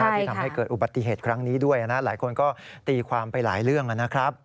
ที่ทำให้เกิดอุบัติเหตุครั้งนี้ด้วยหลายคนก็ตีความไปหลายเรื่องนะครับ